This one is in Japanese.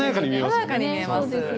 華やかに見えます。